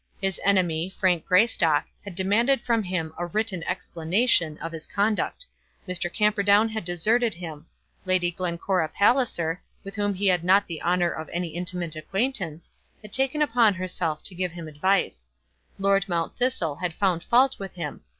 His enemy, Frank Greystock, had demanded from him a "written explanation" of his conduct. Mr. Camperdown had deserted him. Lady Glencora Palliser, with whom he had not the honour of any intimate acquaintance, had taken upon herself to give him advice. Lord Mount Thistle had found fault with him.